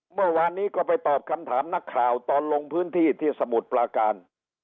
เมื่อวานนี้ก็ไปตอบคำถามนักข่าวตอนลงพื้นที่ที่สมุทรปลาการ